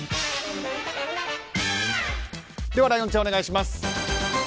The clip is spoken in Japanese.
ライオンちゃん、お願いします。